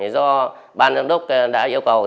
do ban giám đốc đã yêu cầu